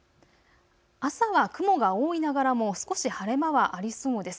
朝は雲が多いながらも少し晴れ間はありそうです。